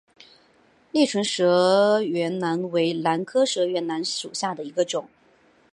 裂唇舌喙兰为兰科舌喙兰属下的一个种。